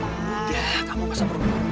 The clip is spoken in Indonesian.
ya kamu masa perlu